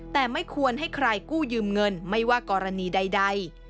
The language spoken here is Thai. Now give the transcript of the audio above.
แต่ไม่ควรให้ใครกู้ยืมเงินไม่ว่ากรณีใด